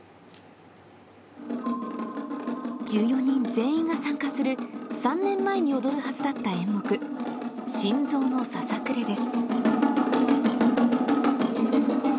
１４人全員が参加する、３年前に踊るはずだった演目、心臓のささくれです。